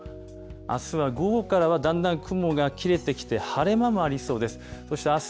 あすは午後からはだんだん雲が切れてきて晴れ間もありそうです。